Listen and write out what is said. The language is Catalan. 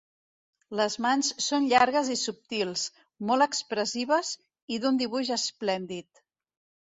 Les mans són llargues i subtils, molt expressives i d'un dibuix esplèndid.